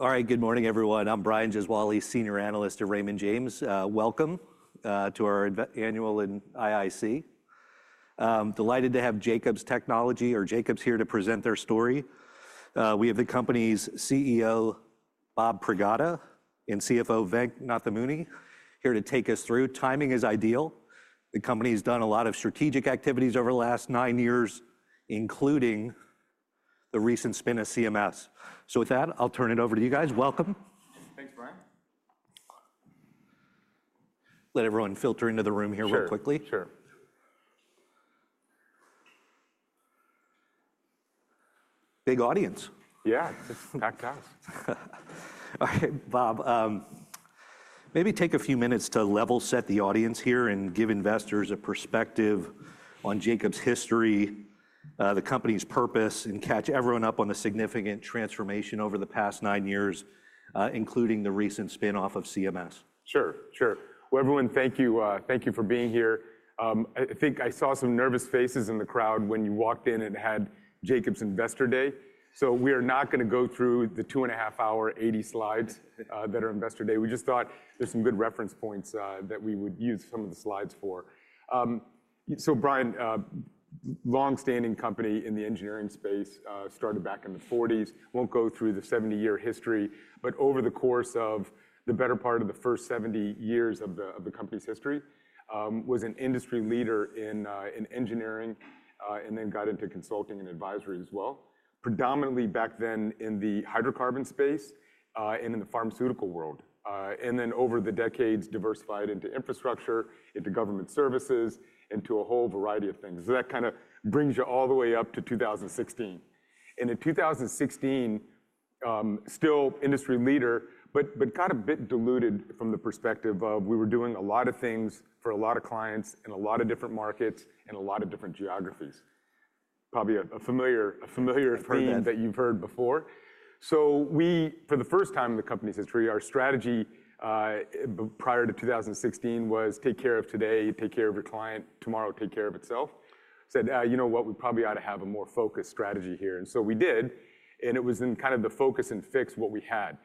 All right, good morning, everyone. I'm Brian Gesuale, Senior Analyst at Raymond James. Welcome to our annual IIC. Delighted to have Jacobs Technology, or Jacobs here, to present their story. We have the company's CEO, Bob Pragada, and CFO, Venk Nathamuni, here to take us through. Timing is ideal. The company's done a lot of strategic activities over the last nine years, including the recent spin of CMS. So with that, I'll turn it over to you guys. Welcome. Thanks, Brian. Let everyone filter into the room here real quickly. Sure. Big audience. Yeah, it's packed house. All right, Bob, maybe take a few minutes to level set the audience here and give investors a perspective on Jacobs' history, the company's purpose, and catch everyone up on the significant transformation over the past nine years, including the recent spin-off of CMS. Sure, sure. Well, everyone, thank you for being here. I think I saw some nervous faces in the crowd when you walked in and had Jacobs Investor Day. We are not going to go through the two and a half hour, 80 slides that are Investor Day. We just thought there's some good reference points that we would use some of the slides for. Brian, longstanding company in the engineering space, started back in the 1940s. We won't go through the 70-year history, but over the course of the better part of the first 70 years of the company's history, it was an industry leader in engineering, and then got into consulting and advisory as well. Predominantly back then in the hydrocarbon space and in the pharmaceutical world, it diversified over the decades into infrastructure, into government services, into a whole variety of things. So that kind of brings you all the way up to 2016. And in 2016, still industry leader, but got a bit diluted from the perspective of we were doing a lot of things for a lot of clients in a lot of different markets and a lot of different geographies. Probably a familiar term that you've heard before. So we, for the first time in the company's history, our strategy prior to 2016 was take care of today, take care of your client, tomorrow take care of itself. Said, you know what, we probably ought to have a more focused strategy here. And so we did. And it was in kind of the focus and fix what we had.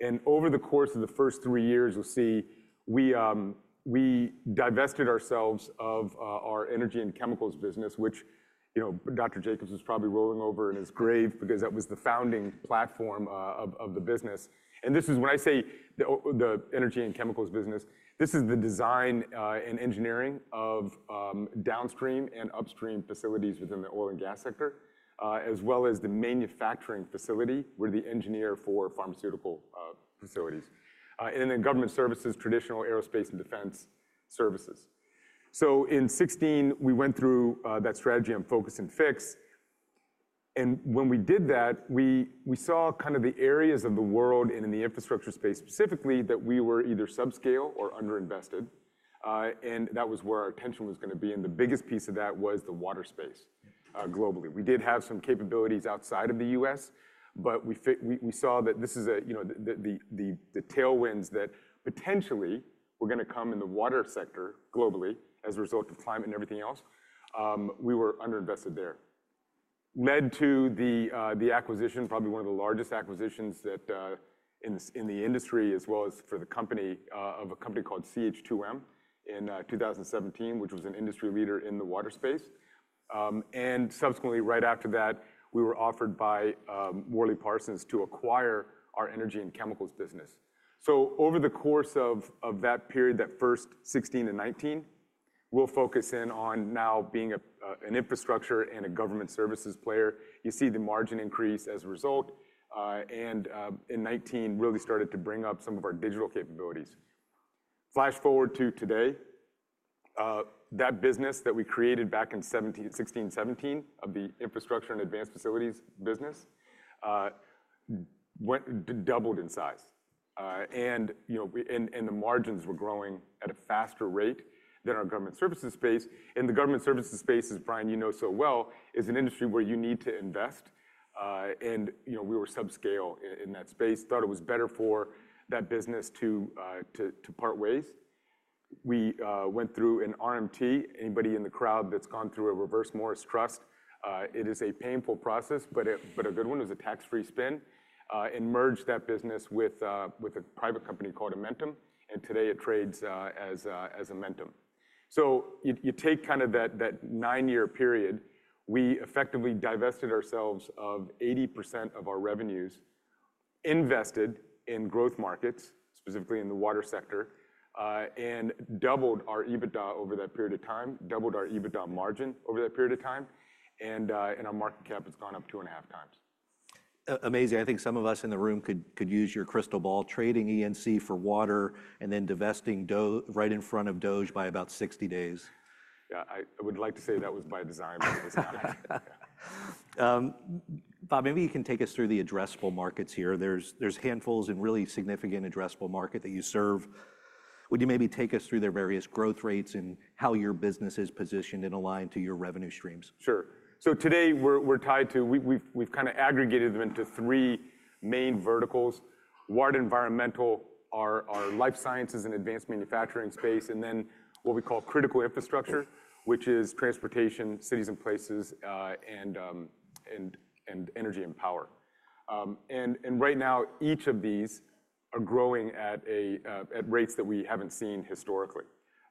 And over the course of the first three years, you'll see we divested ourselves of our energy and chemicals business, which Dr. Jacobs is probably rolling over in his grave because that was the founding platform of the business. And this is when I say the energy and chemicals business, this is the design and engineering of downstream and upstream facilities within the oil and gas sector, as well as the manufacturing facility where the engineering for pharmaceutical facilities. And then government services, traditional aerospace and defense services. So in 2016, we went through that strategy on focus and fix. And when we did that, we saw kind of the areas of the world and in the infrastructure space specifically that we were either subscale or underinvested. And that was where our attention was going to be. And the biggest piece of that was the water space globally. We did have some capabilities outside of the U.S., but we saw that this is the tailwinds that potentially were going to come in the water sector globally as a result of climate and everything else. We were underinvested there. Led to the acquisition, probably one of the largest acquisitions in the industry as well as for the company of a company called CH2M in 2017, which was an industry leader in the water space. And subsequently, right after that, we were offered by WorleyParsons to acquire our energy and chemicals business. So over the course of that period, that first 2016 and 2019, we'll focus in on now being an infrastructure and a government services player. You see the margin increase as a result. And in 2019, really started to bring up some of our digital capabilities. Flash forward to today, that business that we created back in 2016, 2017 of the infrastructure and advanced facilities business doubled in size, and the margins were growing at a faster rate than our government services space, and the government services space, as Brian you know so well, is an industry where you need to invest, and we were subscale in that space, thought it was better for that business to part ways. We went through an RMT. Anybody in the crowd that's gone through a Reverse Morris Trust, it is a painful process, but a good one was a tax-free spin, and merged that business with a private company called Amentum, and today it trades as Amentum.So you take kind of that nine-year period, we effectively divested ourselves of 80% of our revenues, invested in growth markets, specifically in the water sector, and doubled our EBITDA over that period of time, doubled our EBITDA margin over that period of time. And our market cap has gone up two and a half times. Amazing. I think some of us in the room could use your crystal ball. Trading E&C for water and then divesting right in front of DOGE by about 60 days. Yeah, I would like to say that was by design. Bob, maybe you can take us through the addressable markets here. There's handfuls and really significant addressable market that you serve. Would you maybe take us through their various growth rates and how your business is positioned and aligned to your revenue streams? Sure. So today we're tied to, we've kind of aggregated them into three main verticals. Water environmental, our life sciences and advanced manufacturing space, and then what we call critical infrastructure, which is transportation, cities and places, and energy and power. And right now, each of these are growing at rates that we haven't seen historically.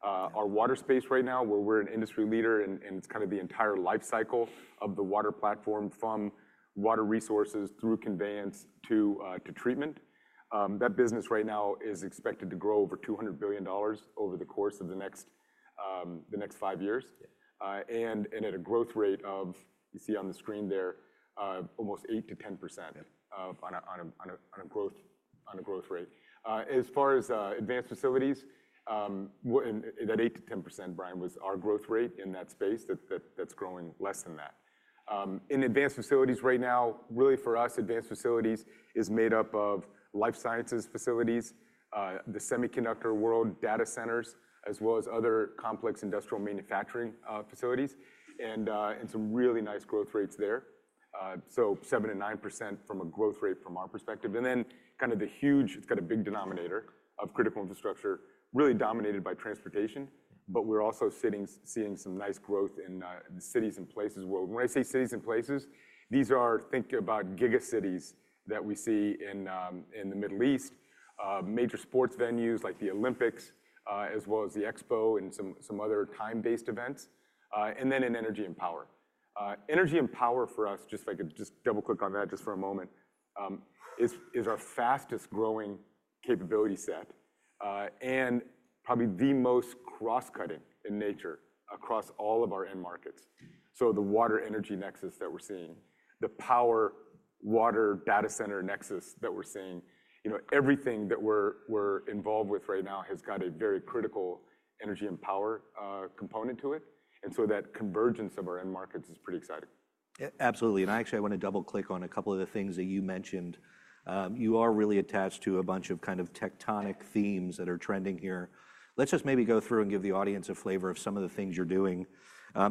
Our water space right now, where we're an industry leader and it's kind of the entire life cycle of the water platform from water resources through conveyance to treatment, that business right now is expected to grow over $200 billion over the course of the next five years. And at a growth rate of, you see on the screen there, almost 8%-10% on a growth rate. As far as advanced facilities, that 8%-10%, Brian, was our growth rate in that space that's growing less than that. In advanced facilities right now, really for us, advanced facilities is made up of life sciences facilities, the semiconductor world, data centers, as well as other complex industrial manufacturing facilities, and some really nice growth rates there, so 7%-9% from a growth rate from our perspective, and then kind of the huge, it's got a big denominator of critical infrastructure, really dominated by transportation, but we're also seeing some nice growth in cities and places worldwide. When I say cities and places, these are think about giga cities that we see in the Middle East, major sports venues like the Olympics, as well as the Expo and some other time-based events, and then in energy and power. Energy and power for us, just if I could just double click on that just for a moment, is our fastest growing capability set and probably the most cross-cutting in nature across all of our end markets. So the water energy nexus that we're seeing, the power water data center nexus that we're seeing, everything that we're involved with right now has got a very critical energy and power component to it. And so that convergence of our end markets is pretty exciting. Absolutely. And I actually want to double click on a couple of the things that you mentioned. You are really attached to a bunch of kind of tectonic themes that are trending here. Let's just maybe go through and give the audience a flavor of some of the things you're doing.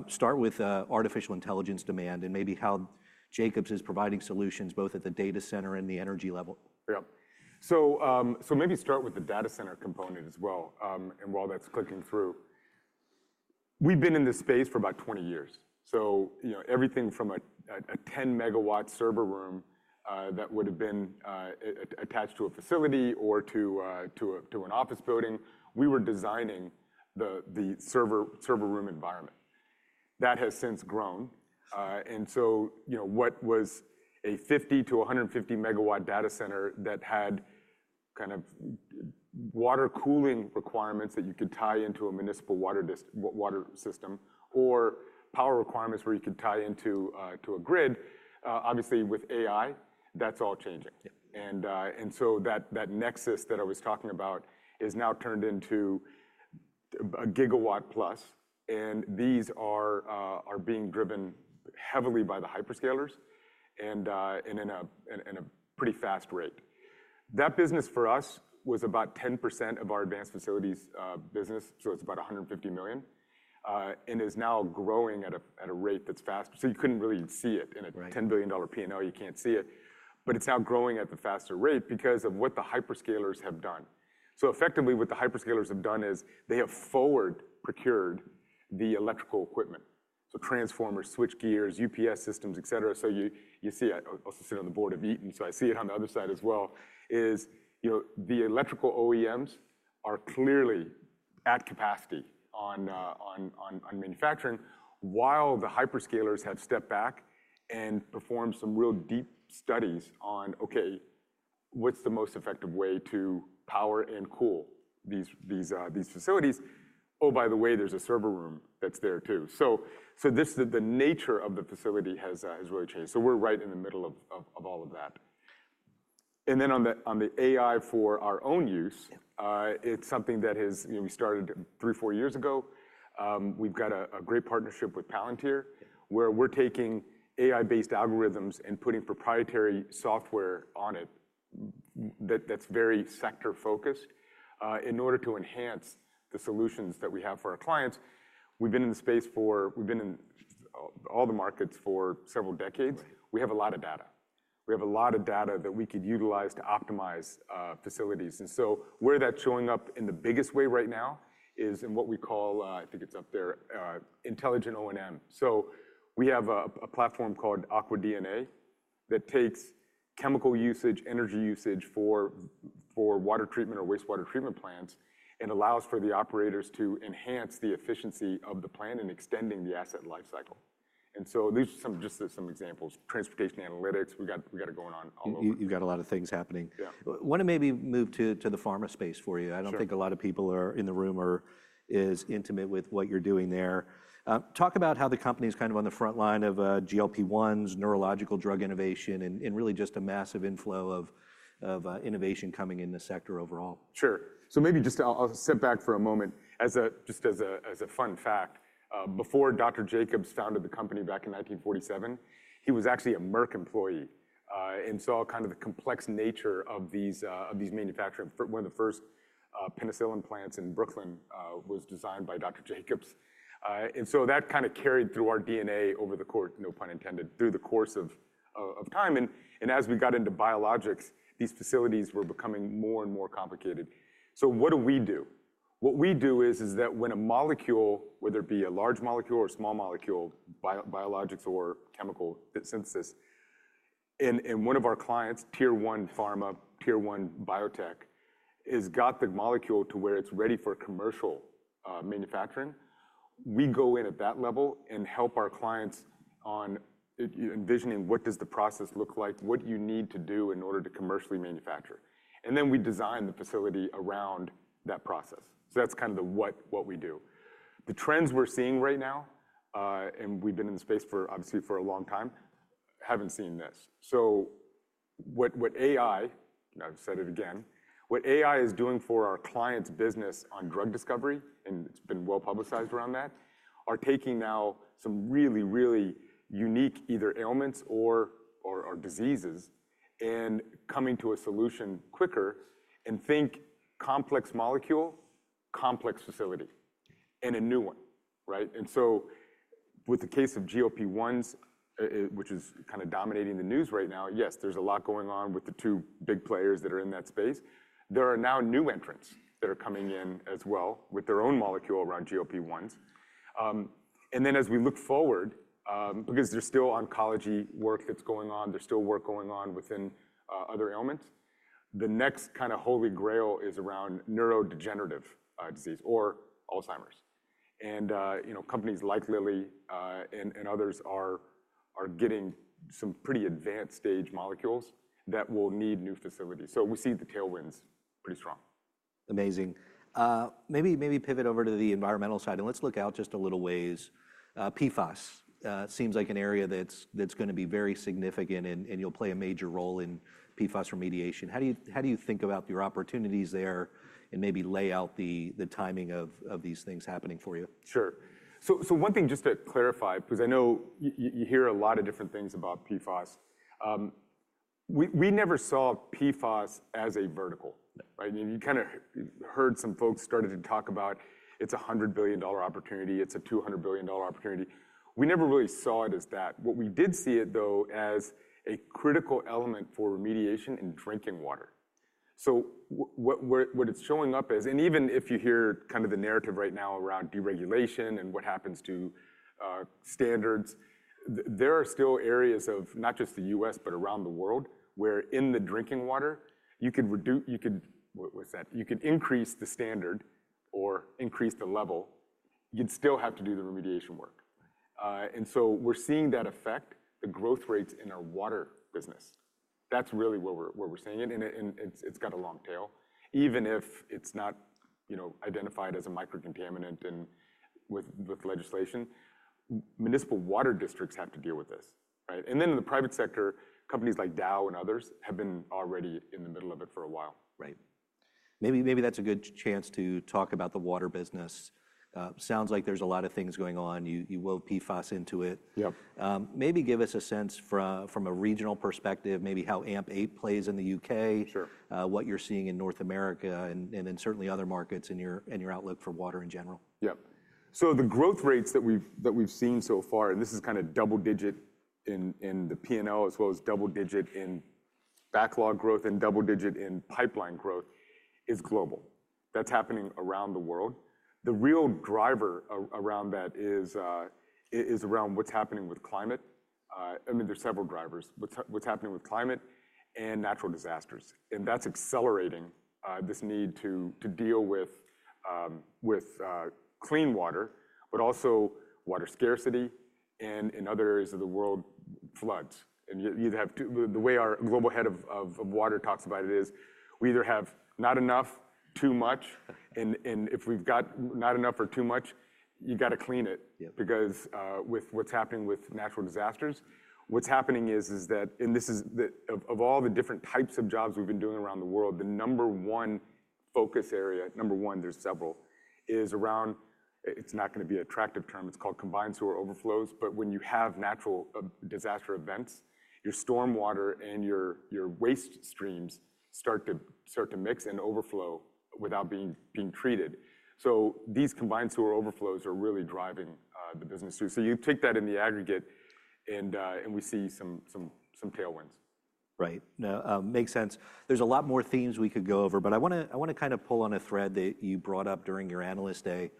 Start with artificial intelligence demand and maybe how Jacobs is providing solutions both at the data center and the energy level. Yeah, so maybe start with the data center component as well and while that's clicking through. We've been in this space for about 20 years, so everything from a 10 MW server room that would have been attached to a facility or to an office building, we were designing the server room environment. That has since grown, and so what was a 50 MW-150 MW data center that had kind of water cooling requirements that you could tie into a municipal water system or power requirements where you could tie into a grid, obviously with AI, that's all changing, and so that nexus that I was talking about is now turned into a gigawatt plus, and these are being driven heavily by the hyperscalers and in a pretty fast rate. That business for us was about 10% of our advanced facilities business, so it's about $150 million, and is now growing at a rate that's fast. You couldn't really see it in a $10 billion P&L. You can't see it, but it's now growing at the faster rate because of what the hyperscalers have done. Effectively what the hyperscalers have done is they have forward procured the electrical equipment, so transformers, switchgear, UPS systems, et cetera. You see, I also sit on the board of Eaton, so I see it on the other side as well. The electrical OEMs are clearly at capacity on manufacturing while the hyperscalers have stepped back and performed some real deep studies on, okay, what's the most effective way to power and cool these facilities. Oh, by the way, there's a server room that's there too. So the nature of the facility has really changed. So we're right in the middle of all of that. And then on the AI for our own use, it's something that we started three, four years ago. We've got a great partnership with Palantir where we're taking AI-based algorithms and putting proprietary software on it that's very sector-focused in order to enhance the solutions that we have for our clients. We've been in all the markets for several decades. We have a lot of data. We have a lot of data that we could utilize to optimize facilities. And so where that's showing up in the biggest way right now is in what we call, I think it's up there, Intelligent O&M. We have a platform called AquaDNA that takes chemical usage, energy usage for water treatment or wastewater treatment plants and allows for the operators to enhance the efficiency of the plant and extending the asset lifecycle. These are just some examples. Transportation analytics, we've got it going on all over. You've got a lot of things happening. I want to maybe move to the pharma space for you. I don't think a lot of people in the room are as intimate with what you're doing there. Talk about how the company is kind of on the front line of GLP-1s, neurological drug innovation, and really just a massive inflow of innovation coming in the sector overall. Sure. So maybe just I'll step back for a moment just as a fun fact. Before Dr. Jacobs founded the company back in 1947, he was actually a Merck employee and saw kind of the complex nature of these manufacturing. One of the first penicillin plants in Brooklyn was designed by Dr. Jacobs. And so that kind of carried through our DNA over the course of time. And as we got into biologics, these facilities were becoming more and more complicated. So what do we do? What we do is that when a molecule, whether it be a large molecule or small molecule, biologics or chemical synthesis, and one of our clients, tier one pharma, tier one biotech, has got the molecule to where it's ready for commercial manufacturing, we go in at that level and help our clients on envisioning what does the process look like, what do you need to do in order to commercially manufacture, and then we design the facility around that process, so that's kind of what we do. The trends we're seeing right now, and we've been in the space for, obviously, a long time, haven't seen this. So what AI, and I'll say it again, what AI is doing for our client's business on drug discovery, and it's been well publicized around that, are taking now some really, really unique either ailments or diseases and coming to a solution quicker and think complex molecule, complex facility, and a new one. And so with the case of GLP-1s, which is kind of dominating the news right now, yes, there's a lot going on with the two big players that are in that space. There are now new entrants that are coming in as well with their own molecule around GLP-1s. And then as we look forward, because there's still oncology work that's going on, there's still work going on within other ailments, the next kind of holy grail is around neurodegenerative disease or Alzheimer's.And companies like Lilly and others are getting some pretty advanced stage molecules that will need new facilities. So we see the tailwinds pretty strong. Amazing. Maybe pivot over to the environmental side and let's look out just a little ways. PFAS seems like an area that's going to be very significant and you'll play a major role in PFAS remediation. How do you think about your opportunities there and maybe lay out the timing of these things happening for you? Sure. So one thing just to clarify, because I know you hear a lot of different things about PFAS, we never saw PFAS as a vertical. You kind of heard some folks started to talk about it's a $100 billion opportunity, it's a $200 billion opportunity. We never really saw it as that. What we did see it though as a critical element for remediation in drinking water. So what it's showing up as, and even if you hear kind of the narrative right now around deregulation and what happens to standards, there are still areas of not just the U.S., but around the world where in the drinking water, you could increase the standard or increase the level, you'd still have to do the remediation work. And so we're seeing that effect, the growth rates in our water business. That's really where we're seeing it and it's got a long tail. Even if it's not identified as a microcontaminant with legislation, municipal water districts have to deal with this, and then in the private sector, companies like Dow and others have been already in the middle of it for a while. Right. Maybe that's a good chance to talk about the water business. Sounds like there's a lot of things going on. You'll weave PFAS into it. Maybe give us a sense from a regional perspective, maybe how AMP8 plays in the U.K., what you're seeing in North America and then certainly other markets and your outlook for water in general. Yeah. So the growth rates that we've seen so far, and this is kind of double digit in the P&L as well as double digit in backlog growth and double digit in pipeline growth, is global. That's happening around the world. The real driver around that is around what's happening with climate. I mean, there's several drivers, what's happening with climate and natural disasters. And that's accelerating this need to deal with clean water, but also water scarcity and in other areas of the world, floods. And the way our global head of water talks about it is we either have not enough, too much, and if we've got not enough or too much, you got to clean it because with what's happening with natural disasters, what's happening is that, and this is of all the different types of jobs we've been doing around the world, the number one focus area, number one, there's several, is around. It's not going to be an attractive term. It's called combined sewer overflows, but when you have natural disaster events, your stormwater and your waste streams start to mix and overflow without being treated. So these combined sewer overflows are really driving the business too. So you take that in the aggregate and we see some tailwinds. Right. Makes sense. There's a lot more themes we could go over, but I want to kind of pull on a thread that you brought up during your analyst day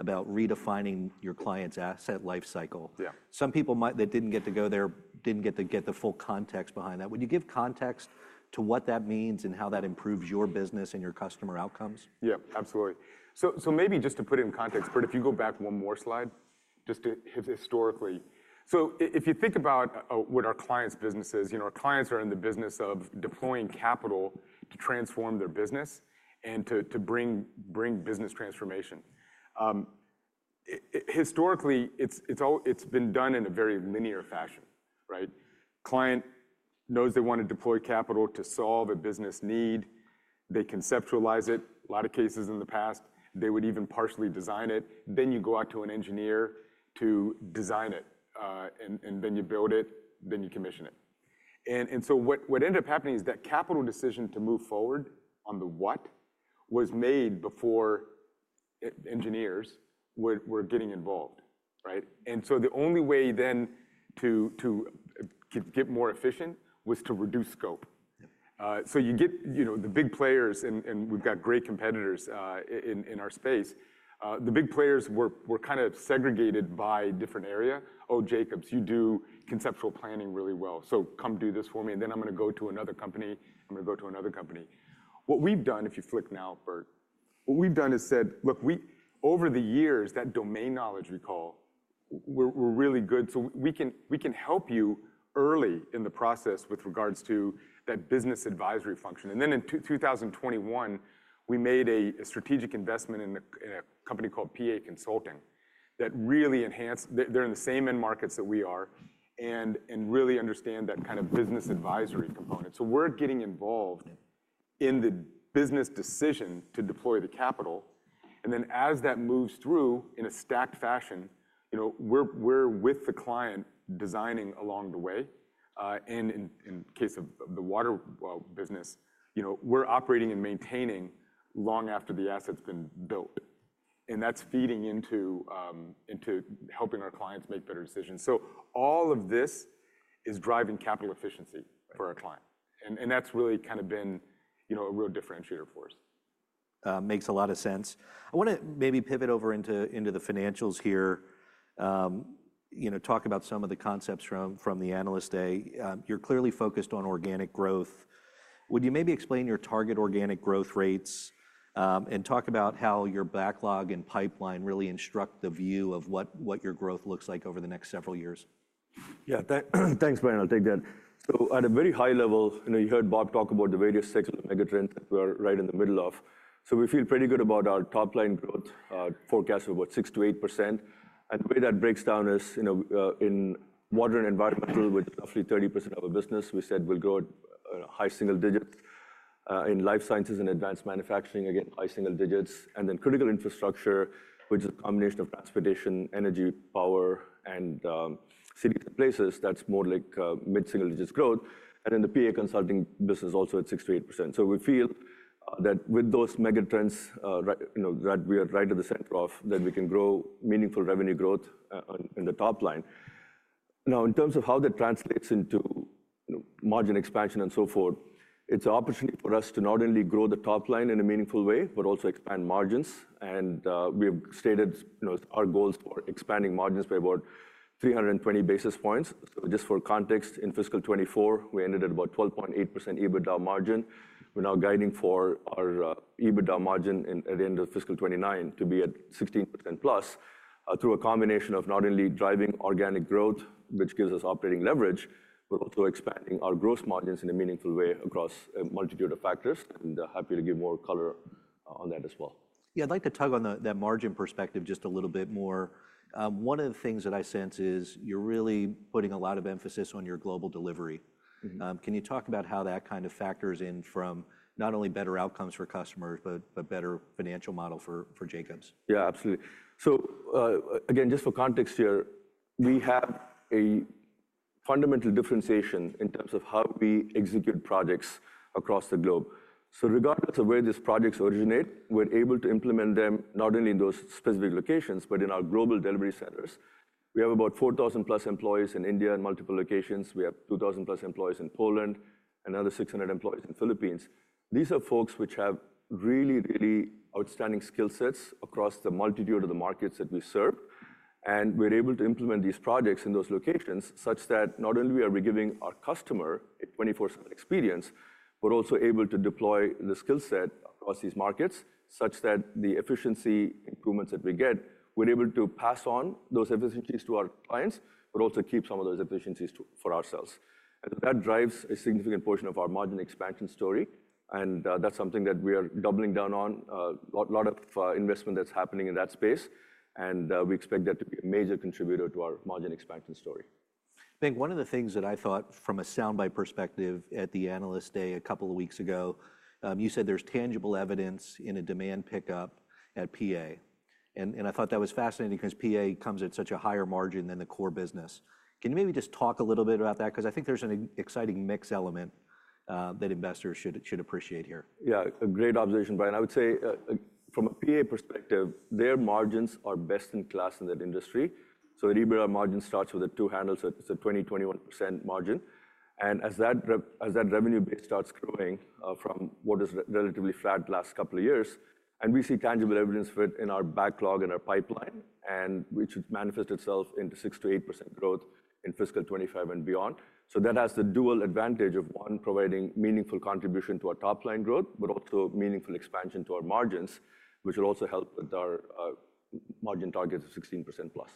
about redefining your client's asset lifecycle. Some people that didn't get to go there didn't get the full context behind that. Would you give context to what that means and how that improves your business and your customer outcomes? Yeah, absolutely. So maybe just to put it in context, but if you go back one more slide, just historically. So if you think about what our client's business is, our clients are in the business of deploying capital to transform their business and to bring business transformation. Historically, it's been done in a very linear fashion. Client knows they want to deploy capital to solve a business need, they conceptualize it, a lot of cases in the past, they would even partially design it, then you go out to an engineer to design it, and then you build it, then you commission it. And so what ended up happening is that capital decision to move forward on the what was made before engineers were getting involved. And so the only way then to get more efficient was to reduce scope. So you get the big players and we've got great competitors in our space. The big players were kind of segregated by different area. Oh, Jacobs, you do conceptual planning really well. So come do this for me and then I'm going to go to another company, I'm going to go to another company. What we've done, if you click now, Bert, what we've done is said, look, over the years, that domain knowledge we call, we're really good. So we can help you early in the process with regards to that business advisory function. And then in 2021, we made a strategic investment in a company called PA Consulting that really enhanced, they're in the same end markets that we are and really understand that kind of business advisory component. So we're getting involved in the business decision to deploy the capital. And then as that moves through in a stacked fashion, we're with the client designing along the way. And in case of the water business, we're operating and maintaining long after the asset's been built. And that's feeding into helping our clients make better decisions. So all of this is driving capital efficiency for our client. And that's really kind of been a real differentiator for us. Makes a lot of sense. I want to maybe pivot over into the financials here, talk about some of the concepts from the analyst day. You're clearly focused on organic growth. Would you maybe explain your target organic growth rates and talk about how your backlog and pipeline really instruct the view of what your growth looks like over the next several years? Yeah, thanks, Brian. I'll take that. So at a very high level, you heard Bob talk about the various cycles, the megatrends that we're right in the middle of. So we feel pretty good about our top line growth forecast of about 6%-8%. And the way that breaks down is in water and environmental, with roughly 30% of our business, we said we'll grow at high single digits. In life sciences and advanced manufacturing, again, high single digits. And then critical infrastructure, which is a combination of transportation, energy, power, and cities and places, that's more like mid-single digits growth. And then the PA Consulting business also at 6%-8%. So we feel that with those megatrends that we are right at the center of, that we can grow meaningful revenue growth in the top line. Now, in terms of how that translates into margin expansion and so forth, it's an opportunity for us to not only grow the top line in a meaningful way, but also expand margins. And we've stated our goals for expanding margins by about 320 basis points. So just for context, in fiscal 2024, we ended at about 12.8% EBITDA margin. We're now guiding for our EBITDA margin at the end of fiscal 2029 to be at 16% plus through a combination of not only driving organic growth, which gives us operating leverage, but also expanding our gross margins in a meaningful way across a multitude of factors. And happy to give more color on that as well. Yeah, I'd like to tug on that margin perspective just a little bit more. One of the things that I sense is you're really putting a lot of emphasis on your global delivery. Can you talk about how that kind of factors in from not only better outcomes for customers, but better financial model for Jacobs? Yeah, absolutely. So again, just for context here, we have a fundamental differentiation in terms of how we execute projects across the globe. So regardless of where these projects originate, we're able to implement them not only in those specific locations, but in our global delivery centers. We have about 4,000 plus employees in India and multiple locations. We have 2,000 plus employees in Poland and another 600 employees in the Philippines. These are folks which have really, really outstanding skill sets across the multitude of the markets that we serve. We're able to implement these projects in those locations such that not only are we giving our customer a 24/7 experience, but also able to deploy the skill set across these markets such that the efficiency improvements that we get, we're able to pass on those efficiencies to our clients, but also keep some of those efficiencies for ourselves. That drives a significant portion of our margin expansion story. That's something that we are doubling down on. A lot of investment that's happening in that space. We expect that to be a major contributor to our margin expansion story. I think one of the things that I thought from a soundbite perspective at the analyst day a couple of weeks ago, you said there's tangible evidence in a demand pickup at PA. And I thought that was fascinating because PA comes at such a higher margin than the core business. Can you maybe just talk a little bit about that? Because I think there's an exciting mix element that investors should appreciate here. Yeah, a great observation, Brian. I would say from a PA perspective, their margins are best in class in that industry. So an EBITDA margin starts with a two handles, it's a 20%-21% margin. And as that revenue base starts growing from what is relatively flat the last couple of years, and we see tangible evidence of it in our backlog and our pipeline, and which would manifest itself into 6%-8% growth in fiscal 2025 and beyond. So that has the dual advantage of one, providing meaningful contribution to our top line growth, but also meaningful expansion to our margins, which will also help with our margin targets of 16% plus.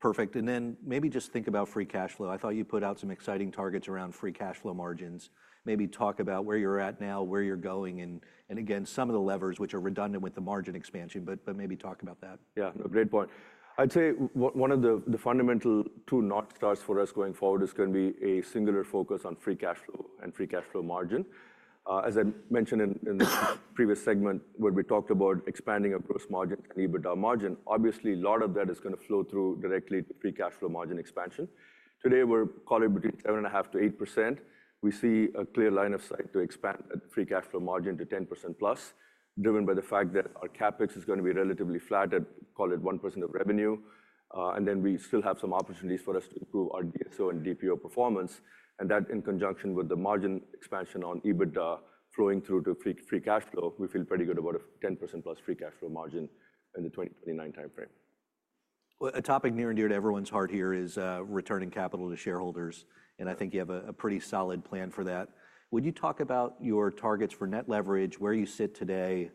Perfect. And then maybe just think about free cash flow. I thought you put out some exciting targets around free cash flow margins. Maybe talk about where you're at now, where you're going, and again, some of the levers which are redundant with the margin expansion, but maybe talk about that. Yeah, a great point. I'd say one of the fundamental two North Stars for us going forward is going to be a singular focus on free cash flow and free cash flow margin. As I mentioned in the previous segment, when we talked about expanding across margins and EBITDA margin, obviously a lot of that is going to flow through directly to free cash flow margin expansion. Today, we're calling it between 7.5%-8%. We see a clear line of sight to expand the free cash flow margin to 10% plus, driven by the fact that our CapEx is going to be relatively flat at, call it 1% of revenue. And then we still have some opportunities for us to improve our DSO and DPO performance. That in conjunction with the margin expansion on EBITDA flowing through to free cash flow, we feel pretty good about a 10% plus free cash flow margin in the 2029 timeframe. A topic near and dear to everyone's heart here is returning capital to shareholders. I think you have a pretty solid plan for that. Would you talk about your targets for net leverage, where you sit today?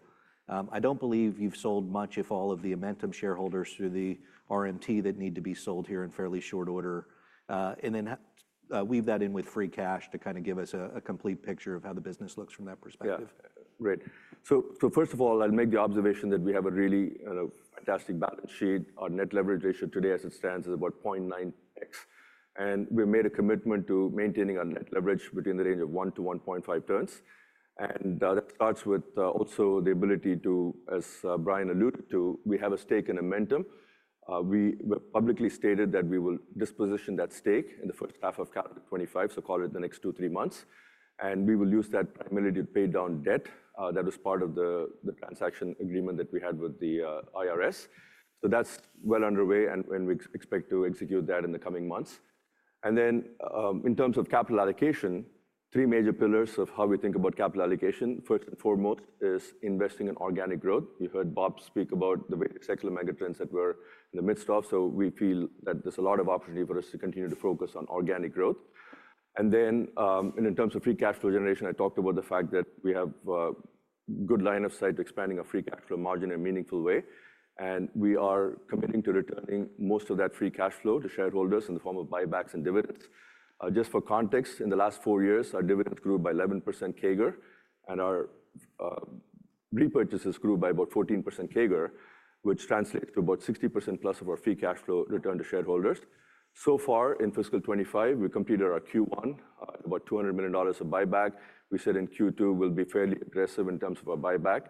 I don't believe you've sold much, if any, of the Amentum shares through the RMT that need to be sold here in fairly short order. Then weave that in with free cash to kind of give us a complete picture of how the business looks from that perspective. Yeah, great. So first of all, I'll make the observation that we have a really fantastic balance sheet. Our net leverage ratio today as it stands is about 0.9x. And we've made a commitment to maintaining our net leverage between the range of 1-1.5 turns. And that starts with also the ability to, as Brian alluded to, we have a stake in momentum. We publicly stated that we will disposition that stake in the first half of calendar 2025, so call it the next two, three months. And we will use that primarily to pay down debt that was part of the transaction agreement that we had with the IRS. So that's well underway and we expect to execute that in the coming months. And then in terms of capital allocation, three major pillars of how we think about capital allocation. First and foremost is investing in organic growth. You heard Bob speak about the cyclical megatrends that we're in the midst of. So we feel that there's a lot of opportunity for us to continue to focus on organic growth. And then in terms of free cash flow generation, I talked about the fact that we have a good line of sight to expanding our free cash flow margin in a meaningful way. And we are committing to returning most of that free cash flow to shareholders in the form of buybacks and dividends. Just for context, in the last 4 years, our dividends grew by 11% CAGR and our repurchases grew by about 14% CAGR, which translates to about 60% plus of our free cash flow return to shareholders. So far in fiscal 2025, we completed our Q1 at about $200 million of buyback. We said in Q2 we'll be fairly aggressive in terms of our buyback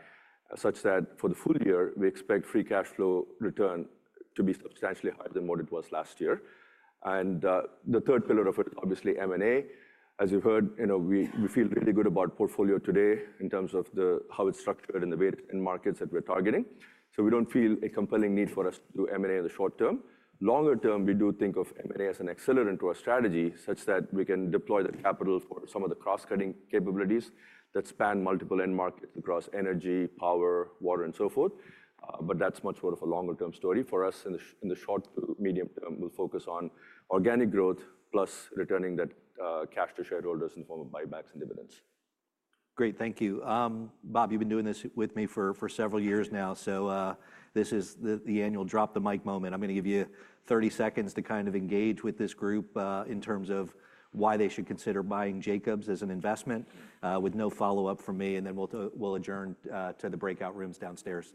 such that for the full year, we expect free cash flow return to be substantially higher than what it was last year, and the third pillar of it is obviously M&A. As you've heard, we feel really good about portfolio today in terms of how it's structured and the way it's in markets that we're targeting, so we don't feel a compelling need for us to do M&A in the short term. Longer term, we do think of M&A as an accelerant to our strategy such that we can deploy the capital for some of the cross-cutting capabilities that span multiple end markets across energy, power, water, and so forth, but that's much more of a longer term story for us.In the short to medium term, we'll focus on organic growth plus returning that cash to shareholders in the form of buybacks and dividends. Great, thank you. Bob, you've been doing this with me for several years now. So this is the annual drop the mic moment. I'm going to give you 30 seconds to kind of engage with this group in terms of why they should consider buying Jacobs as an investment with no follow-up from me. And then we'll adjourn to the breakout rooms downstairs.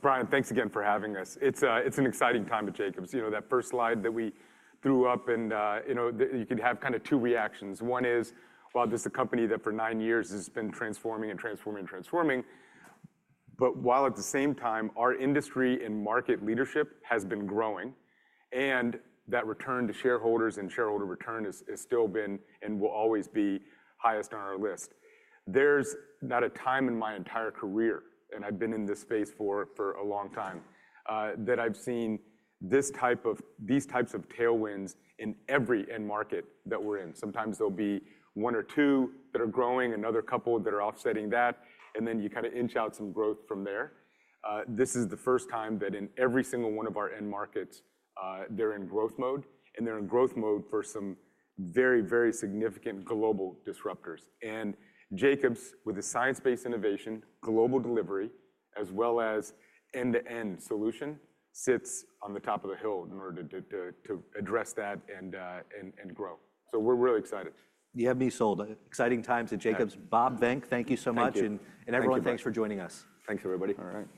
Brian, thanks again for having us. It's an exciting time at Jacobs. That first slide that we threw up, and you could have kind of two reactions. One is, well, this is a company that for nine years has been transforming and transforming and transforming, but while at the same time, our industry and market leadership has been growing, and that return to shareholders and shareholder return has still been and will always be highest on our list. There's not a time in my entire career, and I've been in this space for a long time, that I've seen these types of tailwinds in every end market that we're in. Sometimes there'll be one or two that are growing, another couple that are offsetting that, and then you kind of inch out some growth from there. This is the first time that in every single one of our end markets, they're in growth mode. And they're in growth mode for some very, very significant global disruptors. And Jacobs, with a science-based innovation, global delivery, as well as end-to-end solution, sits on the top of the hill in order to address that and grow. So we're really excited. You have me sold. Exciting times at Jacobs. Bob and Venk, thank you so much, and everyone, thanks for joining us. Thanks, everybody. All right.